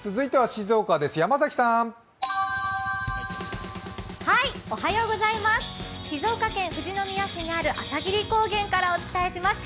静岡県富士宮市にある朝霧高原からお伝えします。